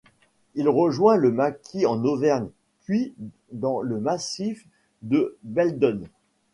Il rejoint le maquis en Auvergne, puis dans le massif de Belledonne.